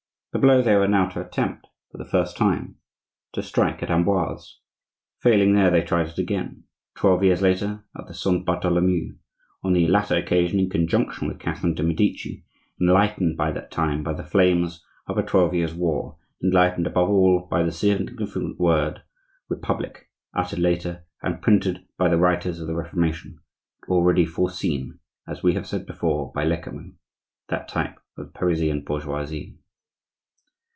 This blow they were now to attempt, for the first time, to strike at Amboise; failing there they tried it again, twelve years later, at the Saint Bartholomew,—on the latter occasion in conjunction with Catherine de' Medici, enlightened by that time by the flames of a twelve years' war, enlightened above all by the significant word "republic," uttered later and printed by the writers of the Reformation, but already foreseen (as we have said before) by Lecamus, that type of the Parisian bourgeoisie.